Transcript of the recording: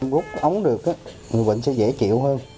rút cái ống được á người bệnh sẽ dễ chịu hơn